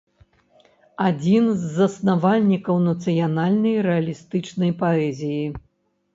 Адзін з заснавальнікаў нацыянальнай рэалістычнай паэзіі.